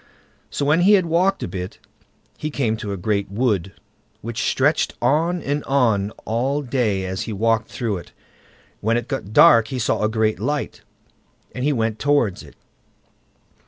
So, when he had walked a bit, he came to a great wood, which stretched on and on all day as he walked through it. When it got dark he saw a great light, and he went towards it.